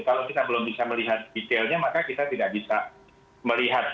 kalau kita belum bisa melihat detailnya maka kita tidak bisa melihat